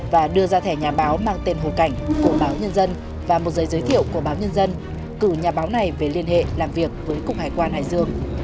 và đưa ra thẻ nhà báo mang tên hồ cảnh của báo nhân dân và một giấy giới thiệu của báo nhân dân cử nhà báo này về liên hệ làm việc với cục hải quan hải dương